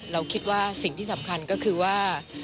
เราคิดว่าสิ่งที่สำคัญก็คือว่า